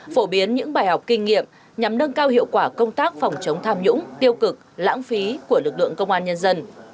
phổ biến những bài học kinh nghiệm nhằm nâng cao hiệu quả công tác phòng chống tham nhũng tiêu cực lãng phí của lực lượng công an nhân dân